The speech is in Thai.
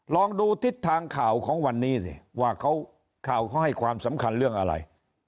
ลองดูทิศทางข่าวของวันนี้สิว่าข่าวเขาให้ความสำคัญเรื่องอะไร